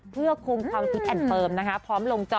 เพื่อคุมความคิดแอดเฟิร์มนะคะ